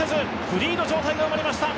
フリーな状態が生まれました。